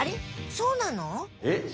そうなの？